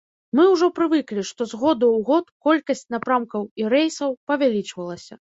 Мы ўжо прывыклі, што з году ў год колькасць напрамкаў і рэйсаў павялічвалася.